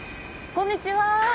こんにちは。